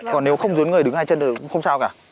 còn nếu không dối người đứng hai chân thì cũng không sao cả